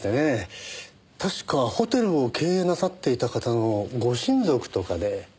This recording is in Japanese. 確かホテルを経営なさっていた方のご親族とかで。